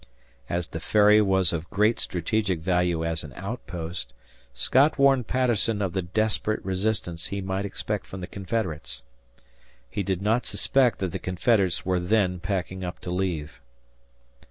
As the Ferry was of great strategic value as an outpost, Scott warned Patterson of the desperate resistance he might expect from the Confederates. He did not suspect that the Confederates were then packing up to leave.